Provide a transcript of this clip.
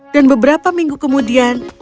dan beberapa minggu kemudian